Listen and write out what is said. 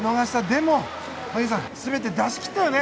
でも、萩野さん全て出し切ったよね！